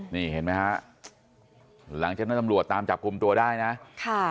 นี่เห็นไหมฮะหลังจากนั้นตำรวจตามจับกลุ่มตัวได้นะค่ะ